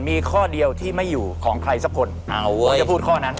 มีข้อเดียวที่ไม่อยู่ของใครสักคนเขาจะพูดข้อนั้น